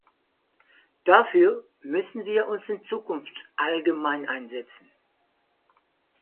Dafür müssen wir uns in Zukunft allgemein einsetzen.